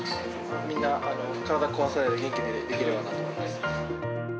みんな、体を壊さないで元気でできればなと思います。